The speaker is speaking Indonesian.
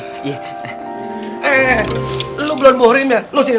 eh lo belon bohrin ya lo sini liat